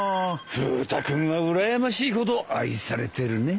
フグ田君はうらやましいほど愛されてるね。